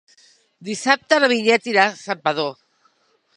Dissabte na Vinyet irà a Santpedor.